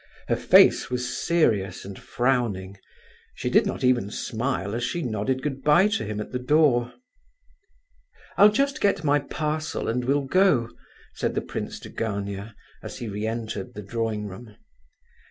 Her face was serious and frowning; she did not even smile as she nodded good bye to him at the door. "I'll just get my parcel and we'll go," said the prince to Gania, as he re entered the drawing room.